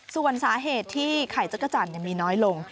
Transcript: ส่วนสาเหตุที่ไข่จักรจันทร์มีน้อยลง